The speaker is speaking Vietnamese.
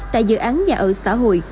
tại dự án nhà ở xã hội